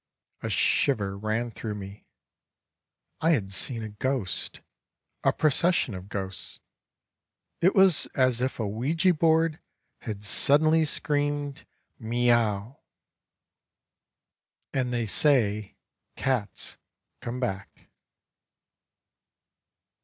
A shiver ran through me; I had seen a ghost, a procession of ghosts. It was as if a ouija board had suddenly screamed miaou! And they say cats come back.